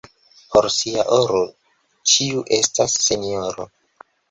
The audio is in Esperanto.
Por sia oro ĉiu estas sinjoro.